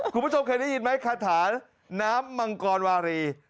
คุณผู้ชมเคยได้ยินไหมคาถาน้ำมังกรวารี